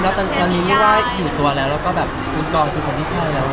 ราคานี้ว่าอยู่ทัวร์แล้วกรุงต่อคือคนที่ช่วยแล้ว